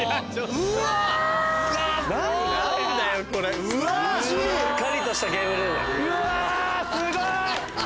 うわすごい！